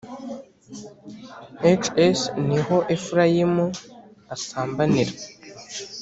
Hs ni ho Efurayimu asambanira